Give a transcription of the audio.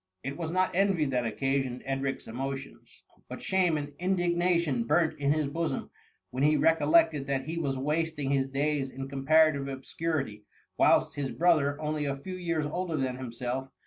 It was not envy that occasioned Edric'^s emo tions ; but shame and indignation burnt in his bosom when he recollected that he was wasting his days in comparative obscurity, whilst nis brother, only a few years older than himself?